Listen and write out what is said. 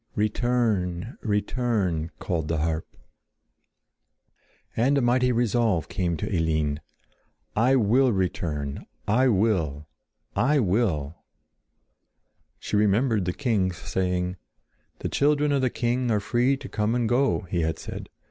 "Return! Return!" called the harp. [Illustration: "I WILL RETURN"] And a mighty resolve came to Eline. "I will return! I will! I will!" She remembered the king's saying: "The children of the king are free to come and go," he had said.